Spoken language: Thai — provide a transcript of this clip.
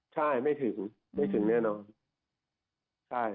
ใช่ไม่ถึงไม่ถึงแน่นอน